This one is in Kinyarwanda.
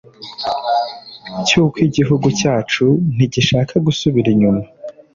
Cy’uko igihugu cyacu ntigishaka gusubira inyuma